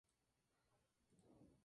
Se suicidó junto al río.